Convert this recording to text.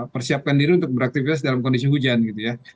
persiapkan diri untuk beraktivitas dalam kondisi hujan gitu ya